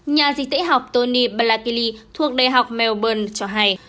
nhà dịch tễ học tony balatili thuộc đại học melbourne cho hay